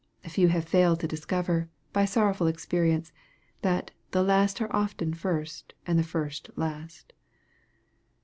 Few have failed to discover, by sorrowful experience, that " the last are often first, and the first last."